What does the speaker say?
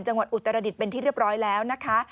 จังหวัดอุตระรดิษฐ์เป็นที่เรียบร้อยแล้วนะคะ